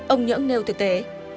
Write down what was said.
ông nhưỡng nêu thực tế